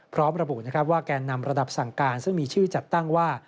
พร้อมระบุนะครับว่าแกนนำระดับสั่งการซึ่งมีชื่อจัดตั้งว่า